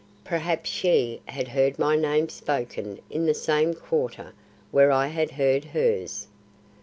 Perhaps she had heard my name spoken in the same quarter where I had heard hers.